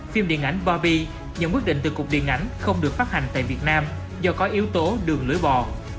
phim điện ảnh barbie nhận quyết định từ cục điện ảnh không được phát hành tại việt nam do có yếu tố đường lưỡi bò